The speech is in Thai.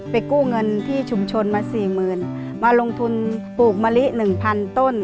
ไปกู้เงินที่ชุมชนมา๔๐๐๐๐บาทมาลงทุนปลูกมะลิ๑๐๐๐ต้น